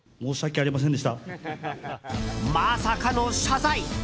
まさかの謝罪。